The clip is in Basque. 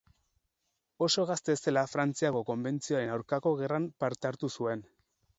Oso gazte zela Frantziako Konbentzioaren aurkako gerran parte hartu zuen.